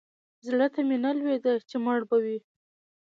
زړه ته مې نه لوېده چې مړ به وي.